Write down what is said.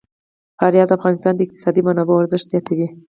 فاریاب د افغانستان د اقتصادي منابعو ارزښت زیاتوي.